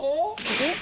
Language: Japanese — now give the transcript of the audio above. えっ？